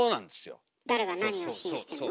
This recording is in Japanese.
誰が何を信用してるの？